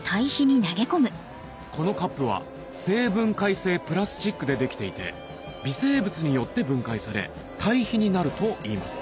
このカップは生分解性プラスチックでできていて微生物によって分解され堆肥になるといいます